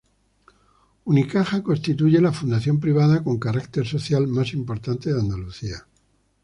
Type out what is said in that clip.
Unicaja constituye la fundación privada con carácter social más importante de Andalucía.